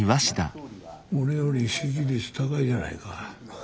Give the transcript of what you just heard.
俺より支持率高いじゃないか。